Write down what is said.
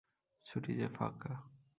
ছুটি যে ফাঁকা।